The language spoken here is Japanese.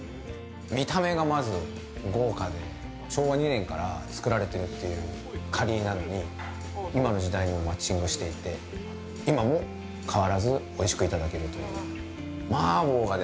見た目がまず豪華で昭和２年から作られているというカリーなのに今の時代にマッチングしていて今も変わらずおいしくいただけるということで。